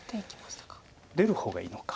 出る方がいいのか。